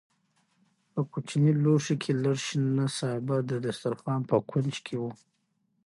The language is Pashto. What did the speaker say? په کوچني لوښي کې لږ شنه سابه د دسترخوان په کونج کې وو.